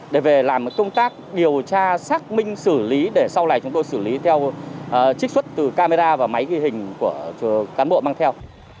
để về làm công tác điều tra xác minh xử lý để sau này chúng tôi xử lý theo trích xuất từ camera và máy ghi hình của cán bộ mang theo